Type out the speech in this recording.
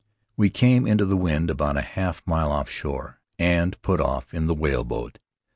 We came into the wind about a half mile offshore and put off in the whaleboat.